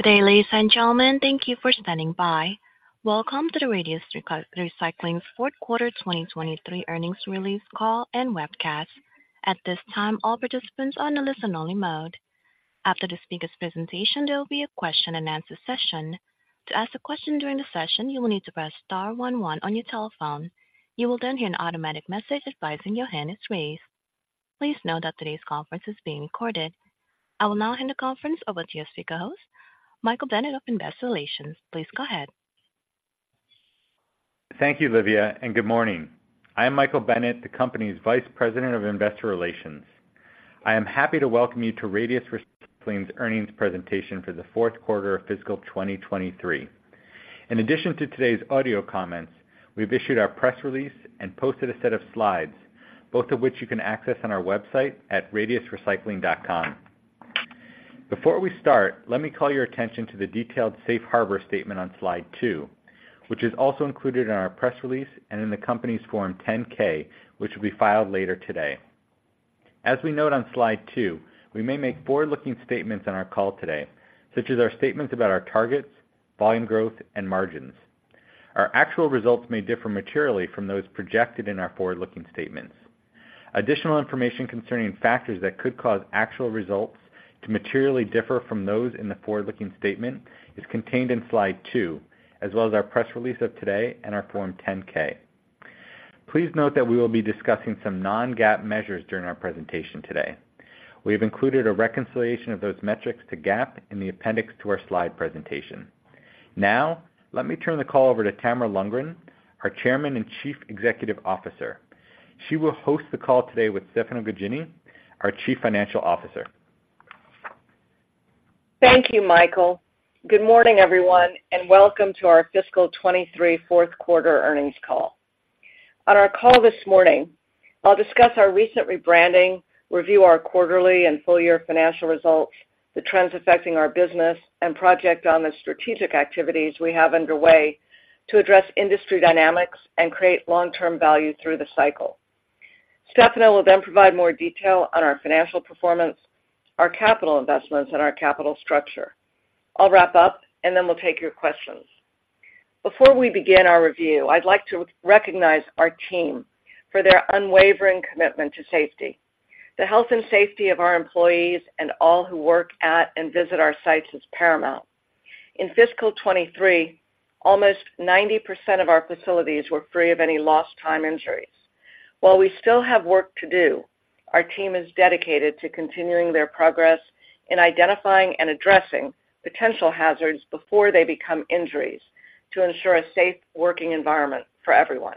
Good day, ladies and gentlemen. Thank you for standing by. Welcome to Radius Recycling's fourth quarter 2023 earnings release call and webcast. At this time, all participants are in a listen-only mode. After the speaker's presentation, there will be a question-and-answer session. To ask a question during the session, you will need to press star one one on your telephone. You will then hear an automatic message advising your hand is raised. Please note that today's conference is being recorded. I will now hand the conference over to your speaker host, Michael Bennett of Investor Relations. Please go ahead. Thank you, Livia, and good morning. I am Michael Bennett, the company's Vice President of Investor Relations. I am happy to welcome you to Radius Recycling's earnings presentation for the fourth quarter of fiscal 2023. In addition to today's audio comments, we've issued our press release and posted a set of slides, both of which you can access on our website at radiusrecycling.com. Before we start, let me call your attention to the detailed safe harbor statement on slide two, which is also included in our press release and in the company's Form 10-K, which will be filed later today. As we note on slide two, we may make forward-looking statements on our call today, such as our statements about our targets, volume growth, and margins. Our actual results may differ materially from those projected in our forward-looking statements. Additional information concerning factors that could cause actual results to materially differ from those in the forward-looking statement is contained in slide two, as well as our press release of today and our Form 10-K. Please note that we will be discussing some non-GAAP measures during our presentation today. We have included a reconciliation of those metrics to GAAP in the appendix to our slide presentation. Now, let me turn the call over to Tamara Lundgren, our Chairman and Chief Executive Officer. She will host the call today with Stefano Gaggini, our Chief Financial Officer. Thank you, Michael. Good morning, everyone, and welcome to our fiscal 2023 fourth quarter earnings call. On our call this morning, I'll discuss our recent rebranding, review our quarterly and full year financial results, the trends affecting our business, and progress on the strategic activities we have underway to address industry dynamics and create long-term value through the cycle. Stefano will then provide more detail on our financial performance, our capital investments, and our capital structure. I'll wrap up, and then we'll take your questions. Before we begin our review, I'd like to recognize our team for their unwavering commitment to safety. The health and safety of our employees and all who work at and visit our sites is paramount. In fiscal 2023, almost 90% of our facilities were free of any lost time injuries. While we still have work to do, our team is dedicated to continuing their progress in identifying and addressing potential hazards before they become injuries to ensure a safe working environment for everyone.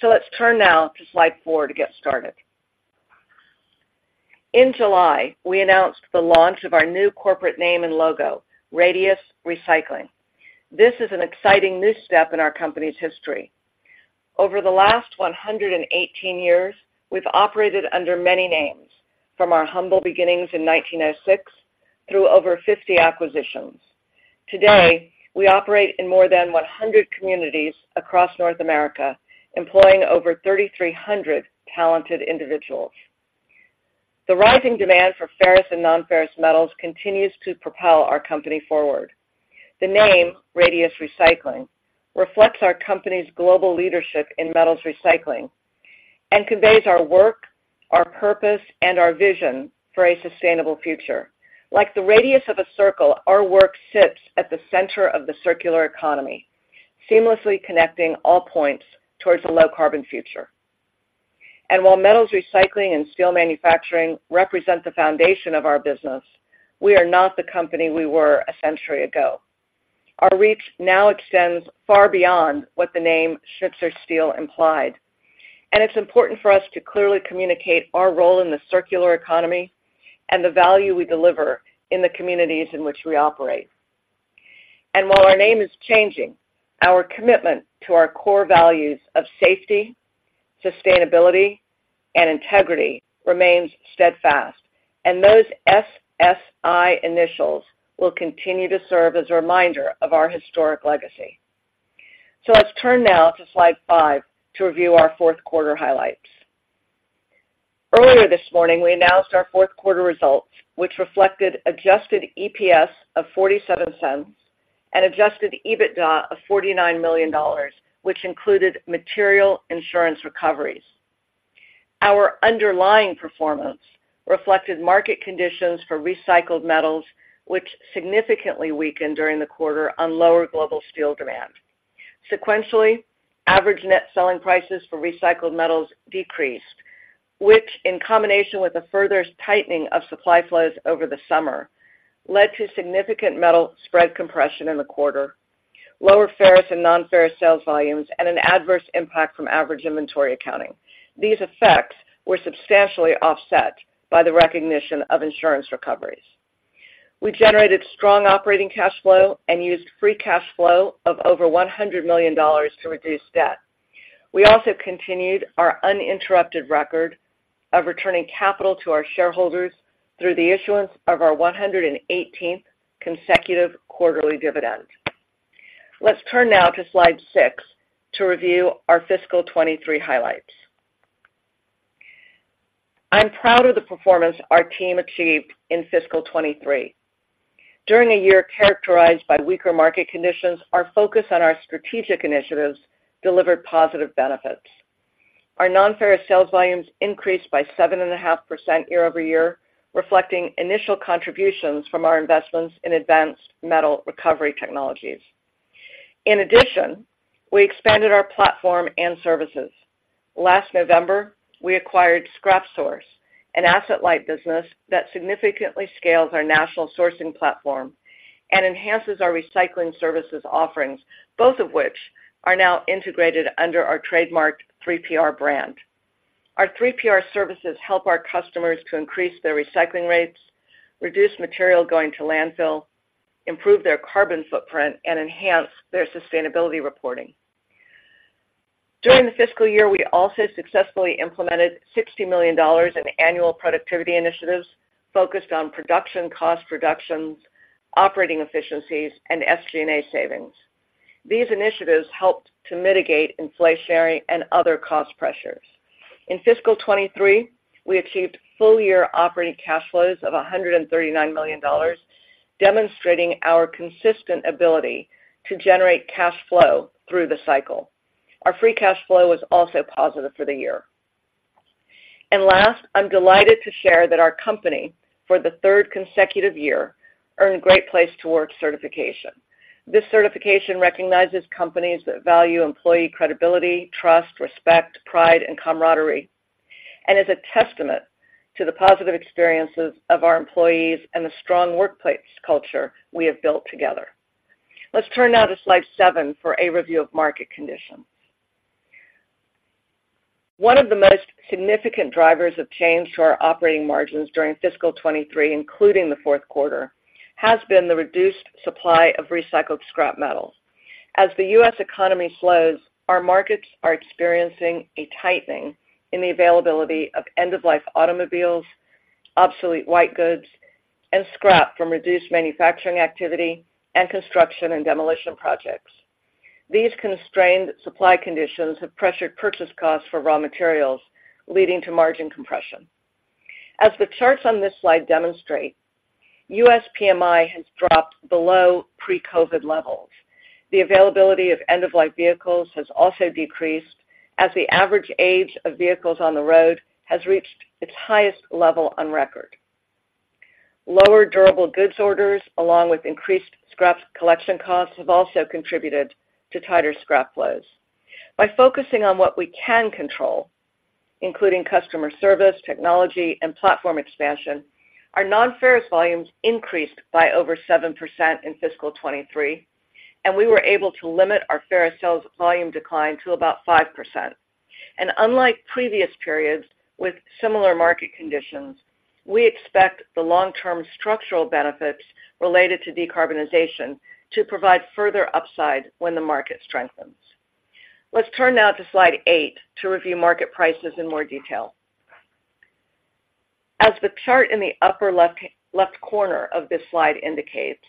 So let's turn now to slide four to get started. In July, we announced the launch of our new corporate name and logo, Radius Recycling. This is an exciting new step in our company's history. Over the last 118 years, we've operated under many names, from our humble beginnings in 1906 through over 50 acquisitions. Today, we operate in more than 100 communities across North America, employing over 3,300 talented individuals. The rising demand for ferrous and non-ferrous metals continues to propel our company forward. The name Radius Recycling reflects our company's global leadership in metals recycling and conveys our work, our purpose, and our vision for a sustainable future. Like the radius of a circle, our work sits at the center of the circular economy, seamlessly connecting all points towards a low-carbon future. And while metals recycling and steel manufacturing represent the foundation of our business, we are not the company we were a century ago. Our reach now extends far beyond what the name Schnitzer Steel implied, and it's important for us to clearly communicate our role in the circular economy and the value we deliver in the communities in which we operate. And while our name is changing, our commitment to our core values of safety, sustainability, and integrity remains steadfast, and those SSI initials will continue to serve as a reminder of our historic legacy. So let's turn now to slide five to review our fourth quarter highlights. Earlier this morning, we announced our fourth quarter results, which reflected Adjusted EPS of $0.47 and Adjusted EBITDA of $49 million, which included material insurance recoveries. Our underlying performance reflected market conditions for recycled metals, which significantly weakened during the quarter on lower global steel demand. Sequentially, average net selling prices for recycled metals decreased, which, in combination with a further tightening of supply flows over the summer, led to significant metal spread compression in the quarter, lower ferrous and non-ferrous sales volumes, and an adverse impact from average inventory accounting. These effects were substantially offset by the recognition of insurance recoveries. We generated strong operating cash flow and used free cash flow of over $100 million to reduce debt. We also continued our uninterrupted record of returning capital to our shareholders through the issuance of our 118th consecutive quarterly dividend. Let's turn now to slide six to review our fiscal 2023 highlights. I'm proud of the performance our team achieved in fiscal 2023. During a year characterized by weaker market conditions, our focus on our strategic initiatives delivered positive benefits. Our non-ferrous sales volumes increased by 7.5% year-over-year, reflecting initial contributions from our investments in advanced metal recovery technologies. In addition, we expanded our platform and services. Last November, we acquired Scrap Source, an asset-light business that significantly scales our national sourcing platform and enhances our recycling services offerings, both of which are now integrated under our trademarked 3PR brand. Our 3PR services help our customers to increase their recycling rates, reduce material going to landfill, improve their carbon footprint, and enhance their sustainability reporting. During the fiscal year, we also successfully implemented $60 million in annual productivity initiatives focused on production, cost reductions, operating efficiencies, and SG&A savings. These initiatives helped to mitigate inflationary and other cost pressures. In fiscal 2023, we achieved full year operating cash flows of $139 million, demonstrating our consistent ability to generate cash flow through the cycle. Our free cash flow was also positive for the year. And last, I'm delighted to share that our company, for the third consecutive year, earned Great Place to Work certification. This certification recognizes companies that value employee credibility, trust, respect, pride, and camaraderie, and is a testament to the positive experiences of our employees and the strong workplace culture we have built together. Let's turn now to slide seven for a review of market conditions. One of the most significant drivers of change to our operating margins during fiscal 2023, including the fourth quarter, has been the reduced supply of recycled scrap metal. As the U.S. economy slows, our markets are experiencing a tightening in the availability of end-of-life automobiles, obsolete white goods, and scrap from reduced manufacturing activity and construction and demolition projects. These constrained supply conditions have pressured purchase costs for raw materials, leading to margin compression. As the charts on this slide demonstrate, U.S. PMI has dropped below pre-COVID levels. The availability of end-of-life vehicles has also decreased, as the average age of vehicles on the road has reached its highest level on record. Lower durable goods orders, along with increased scrap collection costs, have also contributed to tighter scrap flows. By focusing on what we can control, including customer service, technology, and platform expansion, our non-ferrous volumes increased by over 7% in fiscal 2023, and we were able to limit our ferrous sales volume decline to about 5%. Unlike previous periods with similar market conditions, we expect the long-term structural benefits related to decarbonization to provide further upside when the market strengthens. Let's turn now to slide eight to review market prices in more detail. As the chart in the upper left corner of this slide indicates,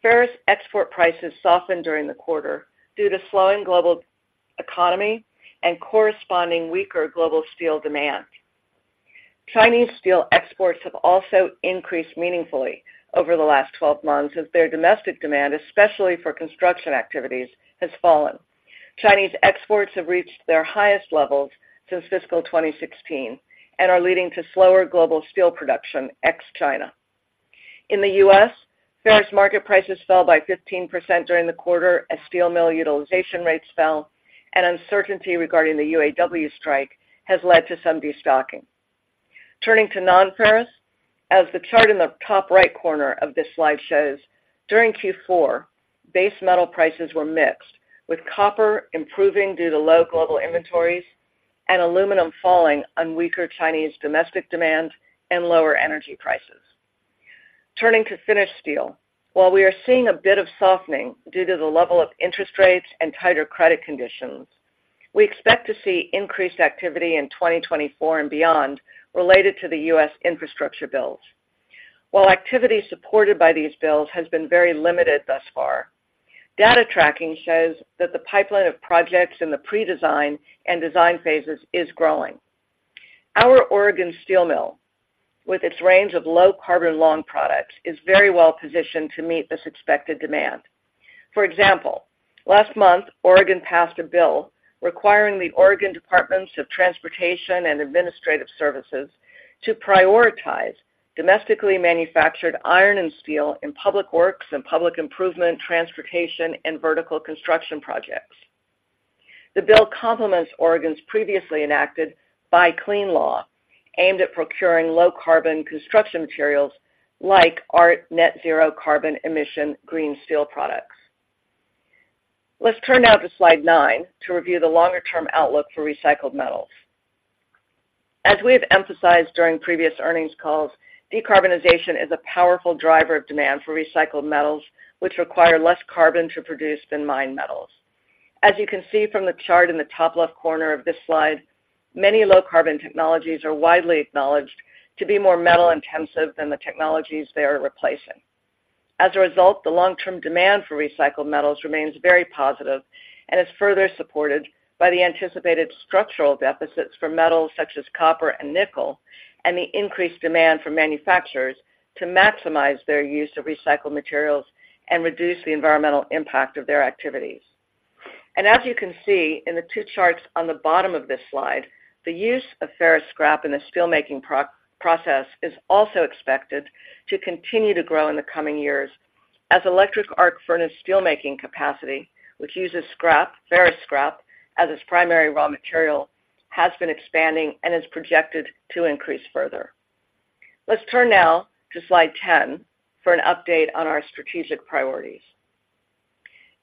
ferrous export prices softened during the quarter due to slowing global economy and corresponding weaker global steel demand. Chinese steel exports have also increased meaningfully over the last 12 months as their domestic demand, especially for construction activities, has fallen. Chinese exports have reached their highest levels since fiscal 2016 and are leading to slower global steel production, ex-China. In the U.S., ferrous market prices fell by 15% during the quarter as steel mill utilization rates fell and uncertainty regarding the UAW strike has led to some destocking. Turning to non-ferrous, as the chart in the top right corner of this slide shows, during Q$, base metal prices were mixed, with copper improving due to low global inventories and aluminum falling on weaker Chinese domestic demand and lower energy prices. Turning to finished steel, while we are seeing a bit of softening due to the level of interest rates and tighter credit conditions, we expect to see increased activity in 2024 and beyond related to the U.S. infrastructure bills. While activity supported by these bills has been very limited thus far, data tracking shows that the pipeline of projects in the pre-design and design phases is growing. Our Oregon steel mill, with its range of low-carbon long products, is very well positioned to meet this expected demand. For example, last month, Oregon passed a bill requiring the Oregon Departments of Transportation and Administrative Services to prioritize domestically manufactured iron and steel in public works and public improvement, transportation, and vertical construction projects. The bill complements Oregon's previously enacted Buy Clean Law, aimed at procuring low-carbon construction materials like our net zero carbon emission GRN Steel products. Let's turn now to slide nine to review the longer-term outlook for recycled metals. As we have emphasized during previous earnings calls, decarbonization is a powerful driver of demand for recycled metals, which require less carbon to produce than mined metals. As you can see from the chart in the top left corner of this slide, many low-carbon technologies are widely acknowledged to be more metal-intensive than the technologies they are replacing. As a result, the long-term demand for recycled metals remains very positive and is further supported by the anticipated structural deficits for metals such as copper and nickel, and the increased demand for manufacturers to maximize their use of recycled materials and reduce the environmental impact of their activities. As you can see in the two charts on the bottom of this slide, the use of ferrous scrap in the steelmaking process is also expected to continue to grow in the coming years, as electric arc furnace steelmaking capacity, which uses scrap, ferrous scrap, as its primary raw material, has been expanding and is projected to increase further. Let's turn now to slide 10 for an update on our strategic priorities.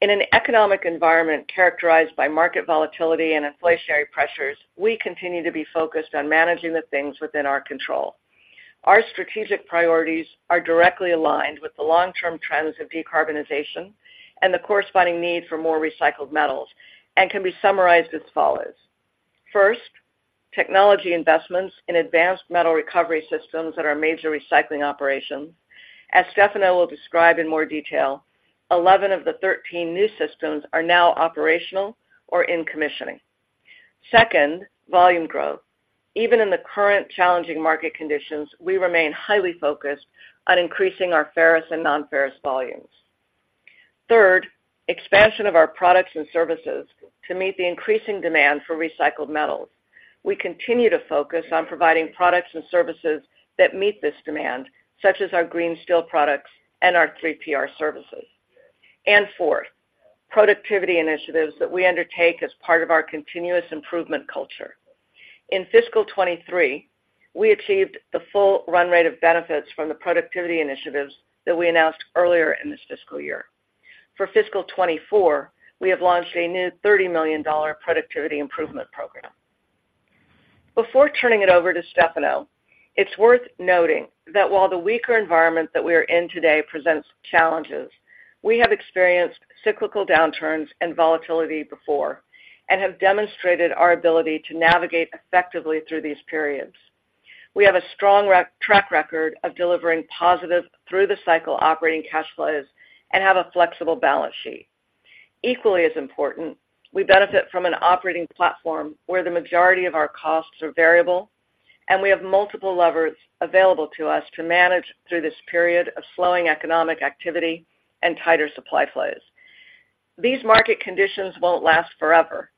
In an economic environment characterized by market volatility and inflationary pressures, we continue to be focused on managing the things within our control. Our strategic priorities are directly aligned with the long-term trends of decarbonization and the corresponding need for more recycled metals, and can be summarized as follows: First, technology investments in advanced metal recovery systems at our major recycling operations. As Stefano will describe in more detail, 11 of the 13 new systems are now operational or in commissioning. Second, volume growth. Even in the current challenging market conditions, we remain highly focused on increasing our ferrous and non-ferrous volumes. Third, expansion of our products and services to meet the increasing demand for recycled metals. We continue to focus on providing products and services that meet this demand, such as our GRN Steel products and our 3PR services. And fourth, productivity initiatives that we undertake as part of our continuous improvement culture. In fiscal 2023, we achieved the full run rate of benefits from the productivity initiatives that we announced earlier in this fiscal year. For fiscal 2024, we have launched a new $30 million productivity improvement program. Before turning it over to Stefano, it's worth noting that while the weaker environment that we are in today presents challenges, we have experienced cyclical downturns and volatility before, and have demonstrated our ability to navigate effectively through these periods. We have a strong track record of delivering positive through the cycle operating cash flows and have a flexible balance sheet. Equally as important, we benefit from an operating platform where the majority of our costs are variable, and we have multiple levers available to us to manage through this period of slowing economic activity and tighter supply flows. These market conditions won't last forever,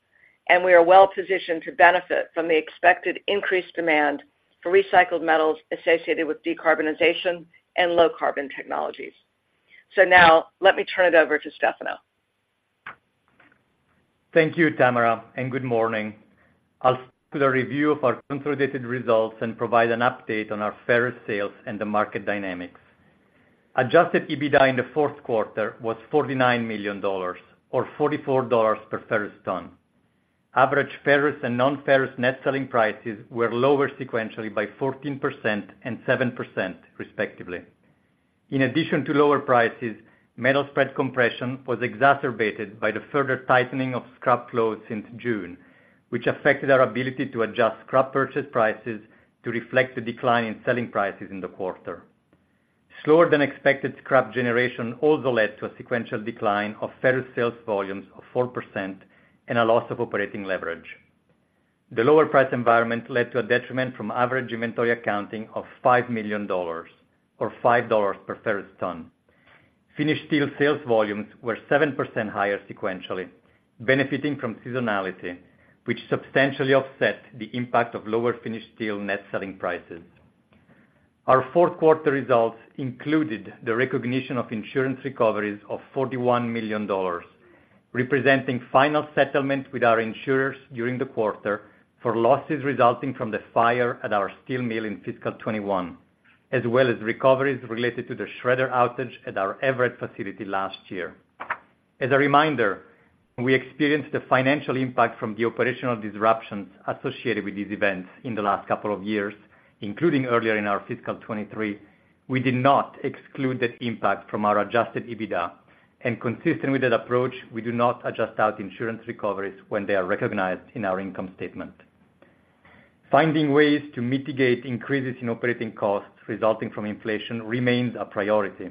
and we are well-positioned to benefit from the expected increased demand for recycled metals associated with decarbonization and low-carbon technologies. Now let me turn it over to Stefano. Thank you, Tamara, and good morning. I'll do a review of our consolidated results and provide an update on our ferrous sales and the market dynamics. Adjusted EBITDA in the fourth quarter was $49 million or $44 per ferrous ton. Average ferrous and non-ferrous net selling prices were lower sequentially by 14% and 7%, respectively. In addition to lower prices, metal spread compression was exacerbated by the further tightening of scrap flows since June, which affected our ability to adjust scrap purchase prices to reflect the decline in selling prices in the quarter. Slower than expected scrap generation also led to a sequential decline of ferrous sales volumes of 4% and a loss of operating leverage. The lower price environment led to a detriment from average inventory accounting of $5 million, or $5 per ferrous ton. Finished steel sales volumes were 7% higher sequentially, benefiting from seasonality, which substantially offset the impact of lower finished steel net selling prices. Our fourth quarter results included the recognition of insurance recoveries of $41 million, representing final settlement with our insurers during the quarter for losses resulting from the fire at our steel mill in fiscal 2021, as well as recoveries related to the shredder outage at our Everett facility last year. As a reminder, we experienced the financial impact from the operational disruptions associated with these events in the last couple of years, including earlier in our fiscal 2023. We did not exclude that impact from our adjusted EBITDA, and consistent with that approach, we do not adjust out insurance recoveries when they are recognized in our income statement. Finding ways to mitigate increases in operating costs resulting from inflation remains a priority.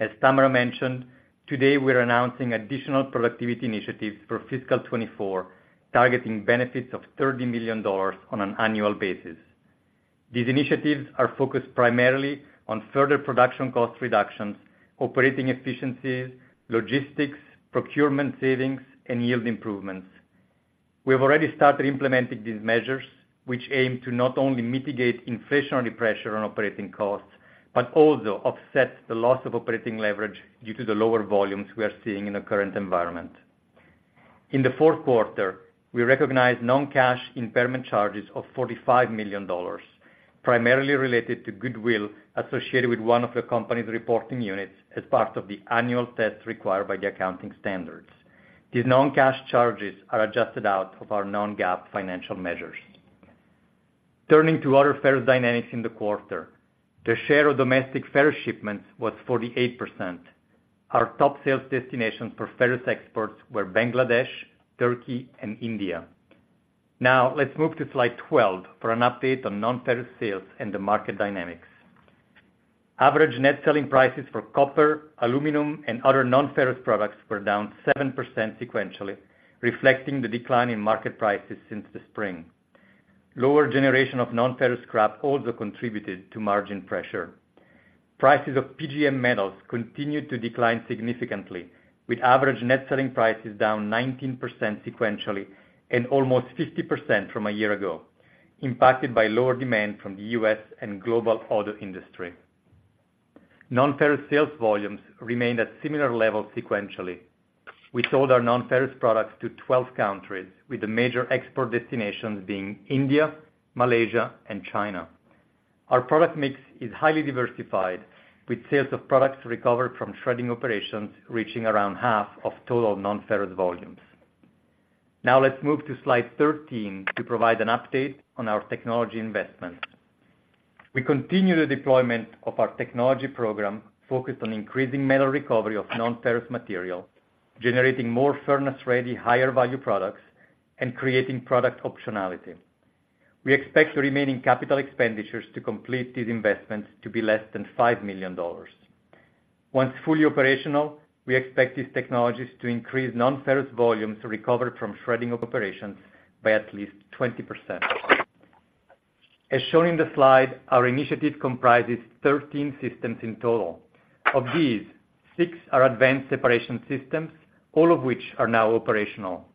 As Tamara mentioned, today, we're announcing additional productivity initiatives for fiscal 2024, targeting benefits of $30 million on an annual basis. These initiatives are focused primarily on further production cost reductions, operating efficiencies, logistics, procurement savings, and yield improvements. We have already started implementing these measures, which aim to not only mitigate inflationary pressure on operating costs, but also offset the loss of operating leverage due to the lower volumes we are seeing in the current environment. In the fourth quarter, we recognized non-cash impairment charges of $45 million, primarily related to goodwill associated with one of the company's reporting units as part of the annual test required by the accounting standards. These non-cash charges are adjusted out of our non-GAAP financial measures. Turning to other ferrous dynamics in the quarter, the share of domestic ferrous shipments was 48%. Our top sales destinations for ferrous exports were Bangladesh, Turkey, and India. Now let's move to slide 12 for an update on non-ferrous sales and the market dynamics. Average net selling prices for copper, aluminum, and other non-ferrous products were down 7% sequentially, reflecting the decline in market prices since the spring. Lower generation of non-ferrous scrap also contributed to margin pressure. Prices of PGM metals continued to decline significantly, with average net selling prices down 19% sequentially and almost 50% from a year ago, impacted by lower demand from the U.S. and global auto industry. Non-ferrous sales volumes remained at similar levels sequentially. We sold our non-ferrous products to 12 countries, with the major export destinations being India, Malaysia and China. Our product mix is highly diversified, with sales of products recovered from shredding operations reaching around half of total non-ferrous volumes. Now let's move to slide 13 to provide an update on our technology investments. We continue the deployment of our technology program, focused on increasing metal recovery of non-ferrous material, generating more furnace-ready, higher value products, and creating product optionality. We expect the remaining capital expenditures to complete these investments to be less than $5 million. Once fully operational, we expect these technologies to increase non-ferrous volumes recovered from shredding operations by at least 20%. As shown in the slide, our initiative comprises 13 systems in total. Of these, six are advanced separation systems, all of which are now operational.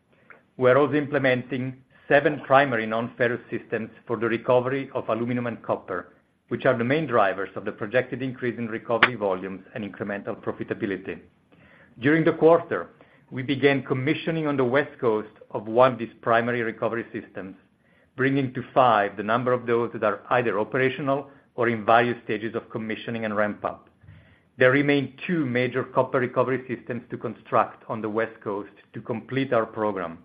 We're also implementing seven primary non-ferrous systems for the recovery of aluminum and copper, which are the main drivers of the projected increase in recovery volumes and incremental profitability. During the quarter, we began commissioning on the West Coast of one of these primary recovery systems, bringing to five the number of those that are either operational or in various stages of commissioning and ramp-up. There remain two major copper recovery systems to construct on the West Coast to complete our program.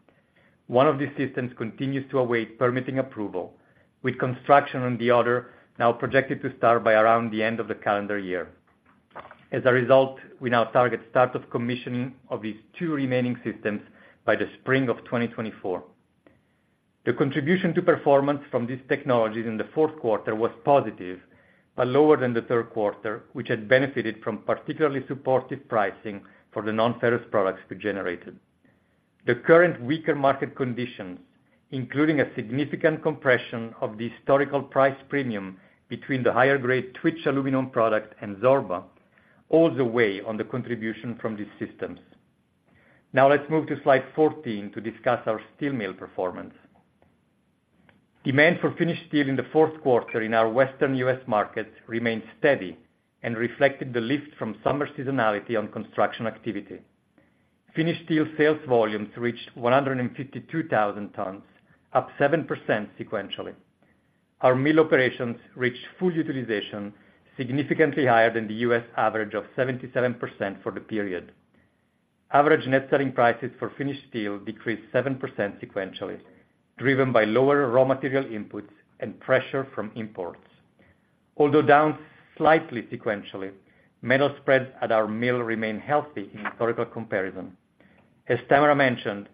One of these systems continues to await permitting approval, with construction on the other now projected to start by around the end of the calendar year. As a result, we now target start of commissioning of these two remaining systems by the spring of 2024. The contribution to performance from these technologies in the fourth quarter was positive, but lower than the third quarter, which had benefited from particularly supportive pricing for the non-ferrous products we generated. The current weaker market conditions, including a significant compression of the historical price premium between the higher grade Twitch aluminum product and Zorba, also weighed on the contribution from these systems. Now let's move to slide 14 to discuss our steel mill performance. Demand for finished steel in the fourth quarter in our Western U.S. markets remained steady and reflected the lift from summer seasonality on construction activity. Finished steel sales volumes reached 152,000 tons, up 7% sequentially. Our mill operations reached full utilization, significantly higher than the U.S. average of 77% for the period. Average net selling prices for finished steel decreased 7% sequentially, driven by lower raw material inputs and pressure from imports. Although down slightly sequentially, metal spreads at our mill remain healthy in historical comparison. As Tamara mentioned,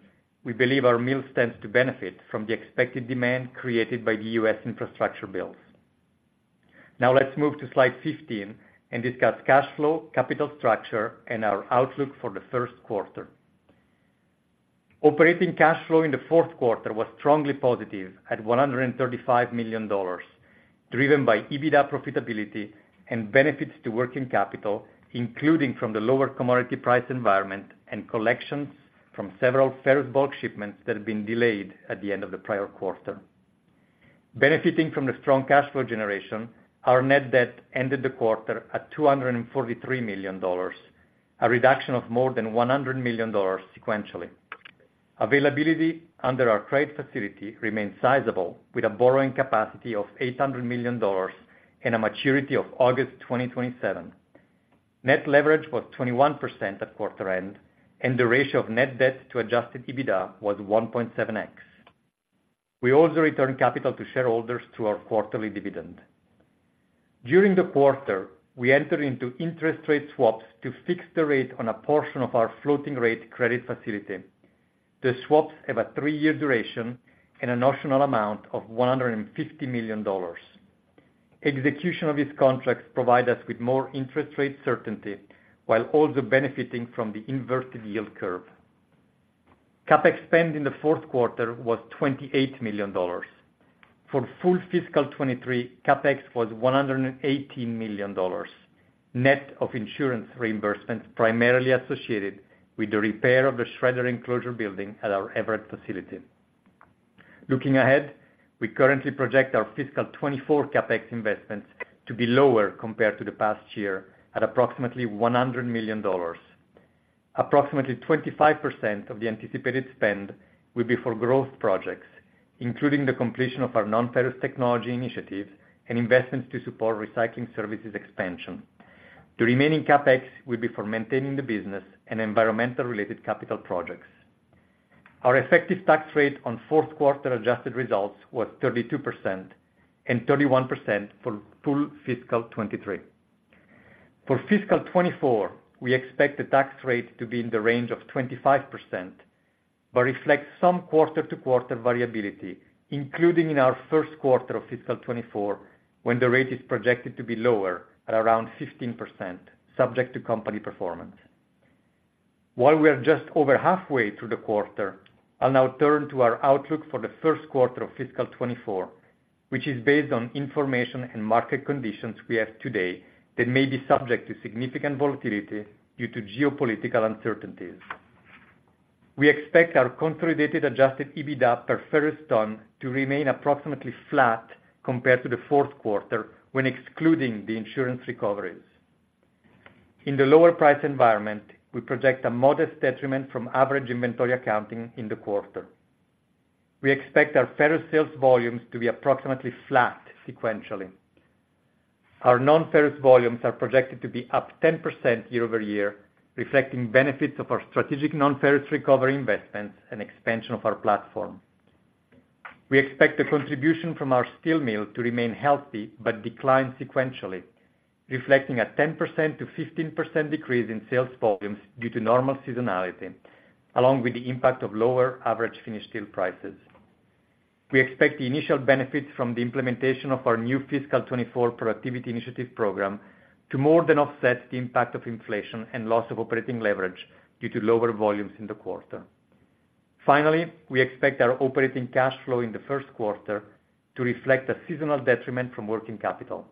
we believe our mill stands to benefit from the expected demand created by the U.S. infrastructure bills. Now let's move to slide 15 and discuss cash flow, capital structure, and our outlook for the first quarter. Operating cash flow in the fourth quarter was strongly positive at $135 million, driven by EBITDA profitability and benefits to working capital, including from the lower commodity price environment and collections from several ferrous bulk shipments that have been delayed at the end of the prior quarter. Benefiting from the strong cash flow generation, our net debt ended the quarter at $243 million, a reduction of more than $100 million sequentially. Availability under our trade facility remains sizable, with a borrowing capacity of $800 million and a maturity of August 2027. Net leverage was 21% at quarter end, and the ratio of net debt to Adjusted EBITDA was 1.7x. We also returned capital to shareholders through our quarterly dividend. During the quarter, we entered into interest rate swaps to fix the rate on a portion of our floating rate credit facility. The swaps have a three-year duration and a notional amount of $150 million. Execution of these contracts provide us with more interest rate certainty, while also benefiting from the inverted yield curve. CapEx spend in the fourth quarter was $28 million. For full fiscal 2023, CapEx was $118 million, net of insurance reimbursements, primarily associated with the repair of the shredder enclosure building at our Everett facility. Looking ahead, we currently project our fiscal 2024 CapEx investments to be lower compared to the past year, at approximately $100 million. Approximately 25% of the anticipated spend will be for growth projects, including the completion of our non-ferrous technology initiatives and investments to support recycling services expansion. The remaining CapEx will be for maintaining the business and environmental-related capital projects. Our effective tax rate on fourth quarter adjusted results was 32% and 31% for full fiscal 2023. For fiscal 2024, we expect the tax rate to be in the range of 25%, but reflect some quarter-to-quarter variability, including in our first quarter of fiscal 2024, when the rate is projected to be lower at around 15%, subject to company performance. While we are just over halfway through the quarter, I'll now turn to our outlook for the first quarter of fiscal 2024, which is based on information and market conditions we have today that may be subject to significant volatility due to geopolitical uncertainties. We expect our consolidated Adjusted EBITDA per ferrous ton to remain approximately flat compared to the fourth quarter, when excluding the insurance recoveries. In the lower price environment, we project a modest detriment from average inventory accounting in the quarter. We expect our ferrous sales volumes to be approximately flat sequentially. Our non-ferrous volumes are projected to be up 10% year-over-year, reflecting benefits of our strategic non-ferrous recovery investments and expansion of our platform. We expect the contribution from our steel mill to remain healthy, but decline sequentially, reflecting a 10%-15% decrease in sales volumes due to normal seasonality, along with the impact of lower average finished steel prices. We expect the initial benefits from the implementation of our new fiscal 2024 productivity initiative program to more than offset the impact of inflation and loss of operating leverage due to lower volumes in the quarter. Finally, we expect our operating cash flow in the first quarter to reflect a seasonal detriment from working capital.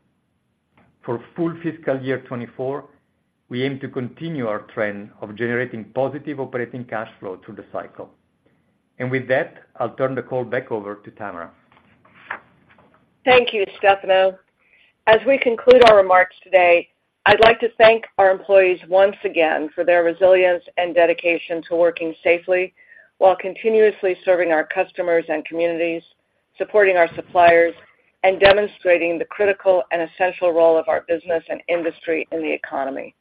For full fiscal year 2024, we aim to continue our trend of generating positive operating cash flow through the cycle. And with that, I'll turn the call back over to Tamara. Thank you, Stefano. As we conclude our remarks today, I'd like to thank our employees once again for their resilience and dedication to working safely while continuously serving our customers and communities, supporting our suppliers, and demonstrating the critical and essential role of our business and industry in the economy.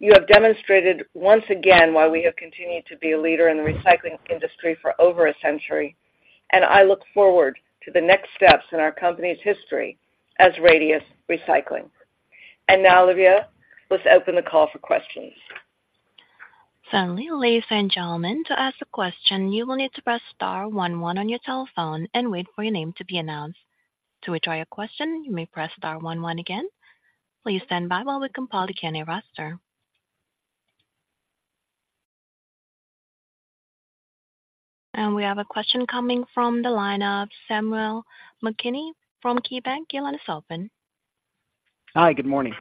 You have demonstrated once again why we have continued to be a leader in the recycling industry for over a century, and I look forward to the next steps in our company's history as Radius Recycling. And now, Livia, let's open the call for questions. Finally, ladies and gentlemen, to ask a question, you will need to press star one one on your telephone and wait for your name to be announced. To withdraw your question, you may press star one one again. Please stand by while we compile the Q and A roster. We have a question coming from the line of Samuel McKinney from KeyBanc. Your line is open. Hi, good morning.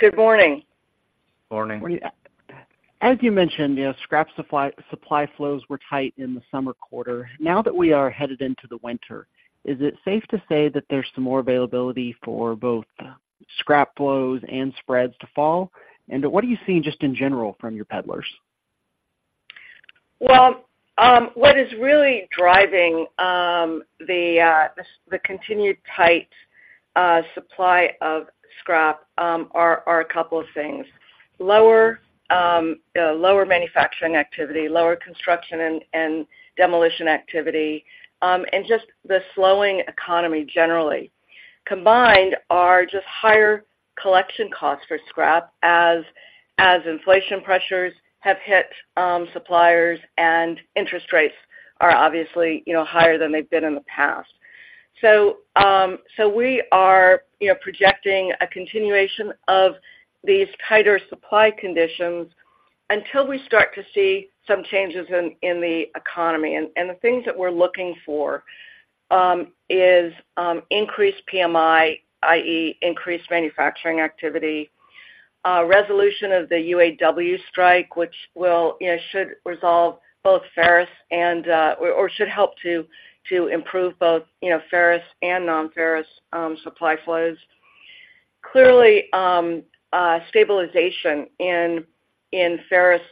Good morning. Morning. As you mentioned, you know, scrap supply, supply flows were tight in the summer quarter. Now that we are headed into the winter, is it safe to say that there's some more availability for both scrap flows and spreads to fall? And what are you seeing just in general from your peddlers? Well, what is really driving the continued tight supply of scrap are a couple of things. Lower manufacturing activity, lower construction and demolition activity, and just the slowing economy generally. Combined are just higher collection costs for scrap as inflation pressures have hit suppliers and interest rates are obviously, you know, higher than they've been in the past. So we are, you know, projecting a continuation of these tighter supply conditions until we start to see some changes in the economy. And the things that we're looking for is increased PMI, i.e., increased manufacturing activity, resolution of the UAW strike, which will, you know, should resolve both ferrous and or should help to improve both, you know, ferrous and non-ferrous supply flows. Clearly, stabilization in ferrous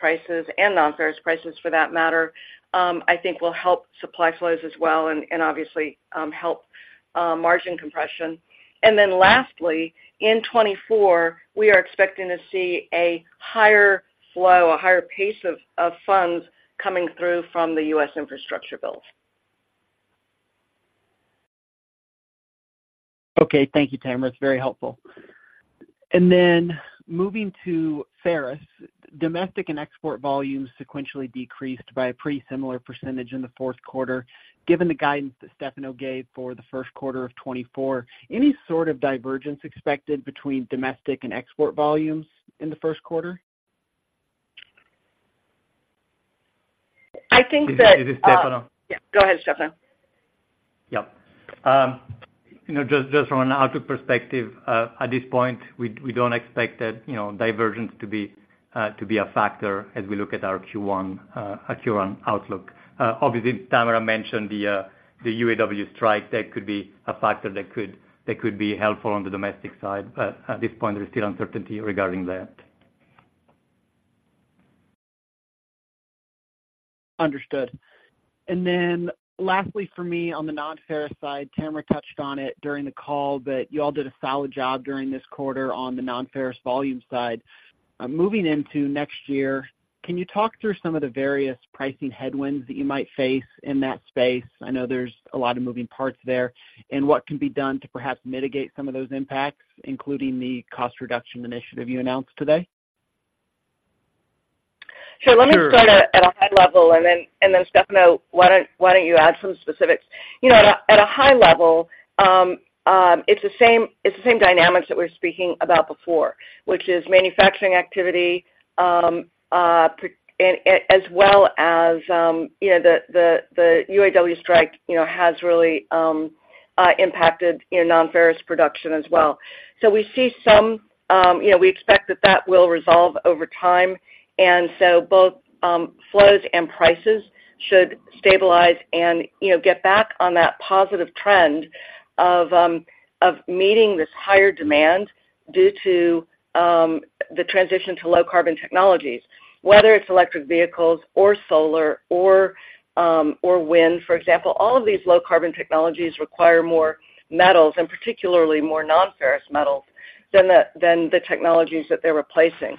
prices and non-ferrous prices, for that matter, I think will help supply flows as well and obviously help margin compression. And then lastly, in 2024, we are expecting to see a higher flow, a higher pace of funds coming through from the U.S. infrastructure bills. Okay. Thank you, Tamara. It's very helpful. Then moving to ferrous, domestic and export volumes sequentially decreased by a pretty similar percentage in the fourth quarter. Given the guidance that Stefano gave for the first quarter of 2024, any sort of divergence expected between domestic and export volumes in the first quarter? I think that, This is Stefano. Yeah, go ahead, Stefano. Yeah. You know, just from an output perspective, at this point, we don't expect that, you know, divergence to be a factor as we look at our Q1, our Q1 outlook. Obviously, Tamara mentioned the UAW strike. That could be a factor that could be helpful on the domestic side, but at this point, there's still uncertainty regarding that. Understood. And then lastly for me, on the non-ferrous side, Tamara touched on it during the call that you all did a solid job during this quarter on the non-ferrous volume side. Moving into next year, can you talk through some of the various pricing headwinds that you might face in that space? I know there's a lot of moving parts there. And what can be done to perhaps mitigate some of those impacts, including the cost reduction initiative you announced today? Sure. Let me start at a high level, and then, Stefano, why don't you add some specifics? You know, at a high level, it's the same dynamics that we were speaking about before, which is manufacturing activity as well as, you know, the UAW strike, you know, has really impacted, you know, non-ferrous production as well. So we see some. You know, we expect that that will resolve over time, and so both flows and prices should stabilize and, you know, get back on that positive trend of meeting this higher demand due to the transition to low-carbon technologies. Whether it's electric vehicles or solar or, or wind, for example, all of these low carbon technologies require more metals, and particularly more non-ferrous metals, than the, than the technologies that they're replacing.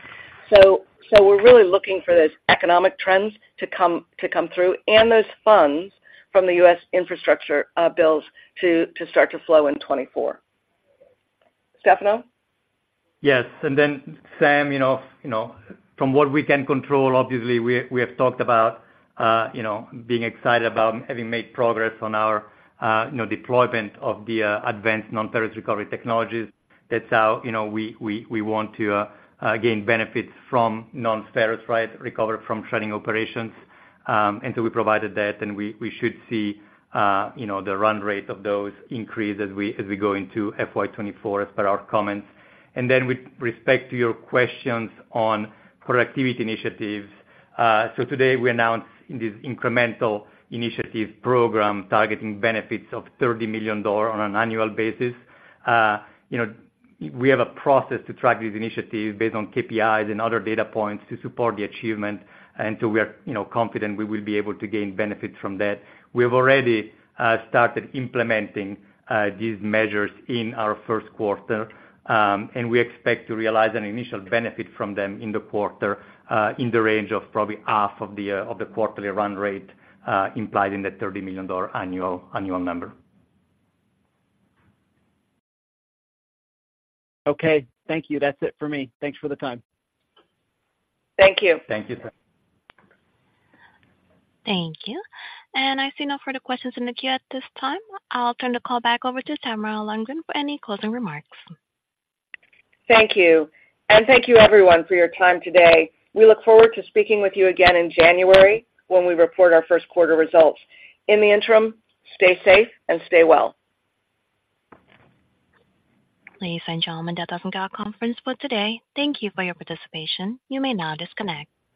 So, so we're really looking for those economic trends to come, to come through and those funds from the U.S. infrastructure, bills to, to start to flow in 2024. Stefano? Yes. And then, Samuel, you know, you know, from what we can control, obviously, we have talked about, you know, being excited about having made progress on our, you know, deployment of the advanced non-ferrous recovery technologies. That's how, you know, we want to gain benefits from non-ferrous, right, recover from shredding operations. And so we provided that, and we should see, you know, the run rate of those increase as we go into FY 2024, as per our comments. And then with respect to your questions on productivity initiatives, so today we announced this incremental initiative program targeting benefits of $30 million on an annual basis. You know, we have a process to track these initiatives based on KPIs and other data points to support the achievement, and so we are, you know, confident we will be able to gain benefits from that. We have already started implementing these measures in our first quarter, and we expect to realize an initial benefit from them in the quarter, in the range of probably half of the quarterly run rate implied in the $30 million annual number. Okay. Thank you. That's it for me. Thanks for the time. Thank you. Thank you, Sam. Thank you. I see no further questions in the queue at this time. I'll turn the call back over to Tamara Lundgren for any closing remarks. Thank you, and thank you everyone for your time today. We look forward to speaking with you again in January, when we report our first quarter results. In the interim, stay safe and stay well. Ladies and gentlemen, that does end our conference for today. Thank you for your participation. You may now disconnect.